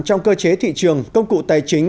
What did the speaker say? trong cơ chế thị trường công cụ tài chính